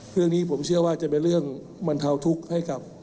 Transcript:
เรื่องนี้ผมเชื่อว่าจะเป็นเรื่องบรรเทาทุกข์ให้กับ